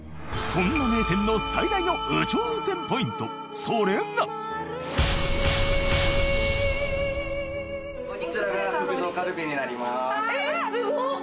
そんな名店の最大の有頂天ポイントそれがえっすごっ！